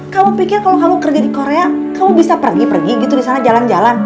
kamu pikir kalau kamu kerja di korea kamu bisa pergi pergi gitu di sana jalan jalan